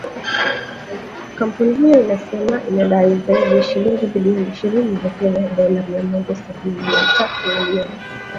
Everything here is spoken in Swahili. kampuni hiyo inasema inadai zaidi ya shilingi bilioni ishirini za Kenya dollar mia moja sabini na tatu milioni